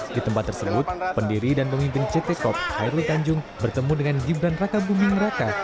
di tempat tersebut pendiri dan pemimpin ct cop hairul tanjung bertemu dengan gibran raka buming raka